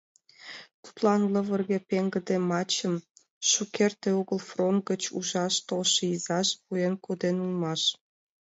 Тудлан лывырге пеҥгыде мачым шукерте огыл фронт гычын ужаш толшо изаже пуэн коден улмаш.